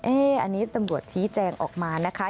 อันนี้ตำรวจชี้แจงออกมานะคะ